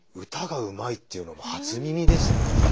歌がうまいっていうのも初耳でしたね。